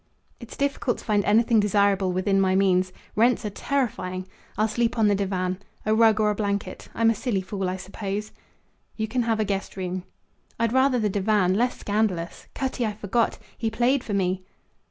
"It's difficult to find anything desirable within my means. Rents are terrifying. I'll sleep on the divan. A rug or a blanket. I'm a silly fool, I suppose." "You can have a guest room." "I'd rather the divan; less scandalous. Cutty, I forgot. He played for me."